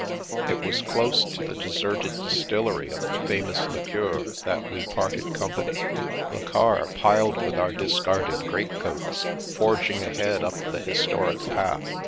It was close to the deserted distillery of the fa mous liqueur that we parted company, the car, piled with our discarded great coats, forging ahead up the historic path.